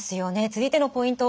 続いてのポイント